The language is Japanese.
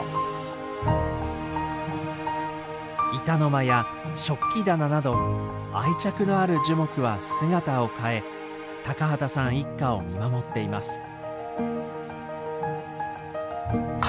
板の間や食器棚など愛着のある樹木は姿を変え畑さん一家を見守っていますああ